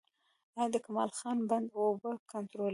آیا د کمال خان بند اوبه کنټرولوي؟